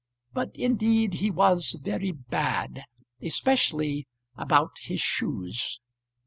But indeed he was very bad, especially about his shoes.